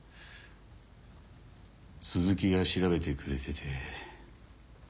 鈴木が調べてくれてて。